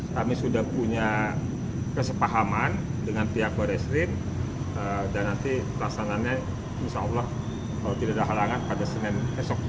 kami sudah punya kesepahaman dengan pihak baris krim dan nanti pelaksanaannya insya allah kalau tidak ada halangan pada senin esok